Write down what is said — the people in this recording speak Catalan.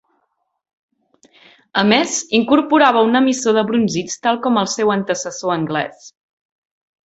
A més, incorporava un emissor de brunzits tal com el seu antecessor anglès.